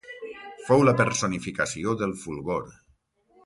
Fou la personificació del fulgor.